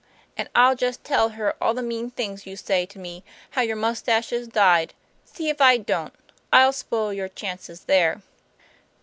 and I'll just tell her all the mean things you say to me, how your mustache is dyed see if I don't, I'll spoil your chances there."